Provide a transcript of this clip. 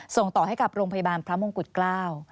ส่งต่อให้กับโรงพยาบาลพระมงกุฎเกล้า